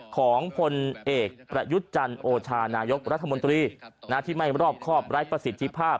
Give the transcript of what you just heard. ของพลเอกประยุทธ์จันทร์โอชานายกรัฐมนตรีที่ไม่รอบครอบไร้ประสิทธิภาพ